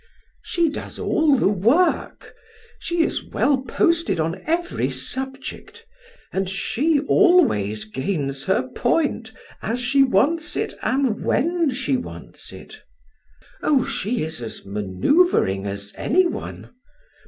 "She does all the work; she is well posted on every subject, and she always gains her point, as she wants it, and when she wants it! Oh, she is as maneuvering as anyone!